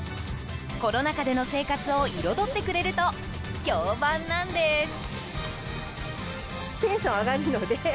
コロナ禍での生活を彩ってくれると評判なんです。